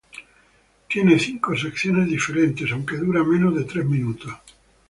Tiene cinco secciones diferentes, aunque dura menos de tres minutos.